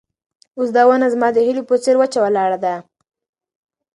اوس دا ونه زما د هیلو په څېر وچه ولاړه ده.